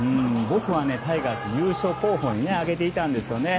僕はタイガース優勝候補に挙げていたんですね。